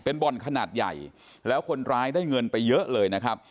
เป็นบ่อนขนาดใหญ่แล้วคนร้ายได้เงินไปเยอะเลยนะครับ